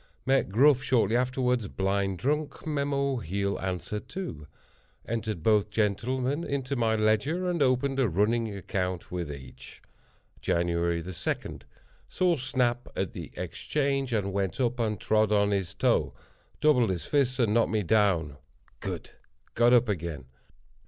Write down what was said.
Met Gruff shortly afterward, blind drunk. Mem—he'll answer, too. Entered both gentlemen in my Ledger, and opened a running account with each. "Jan. 2.—Saw Snap at the Exchange, and went up and trod on his toe. Doubled his fist and knocked me down. Good!—got up again.